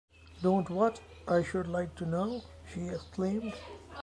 “Don’t what, I should like to know?” she exclaimed.